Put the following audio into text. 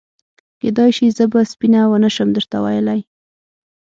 کېدای شي زه به سپینه ونه شم درته ویلای.